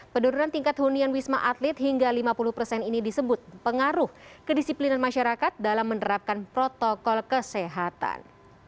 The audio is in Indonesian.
penurunan tingkat hunian wisma atlet hingga lima puluh persen ini disebut pengaruh kedisiplinan masyarakat dalam menerapkan protokol kesehatan